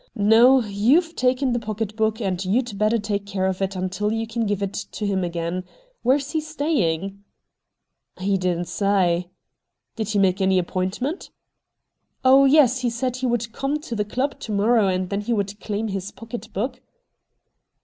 No, you've taken the pocket book and you'd better take care of it until you can give it to him again. Where's he stapng ?'' He didn't say.' ' Did he make any appointment ?'' Oh yes, he said he would come to the club to morrow and then he would claim his pocket book.'